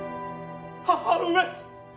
母上！